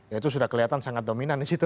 ya itu sudah kelihatan sangat dominan di situ